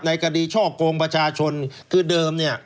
ในกดีช่อกงประชาชนคือเดิม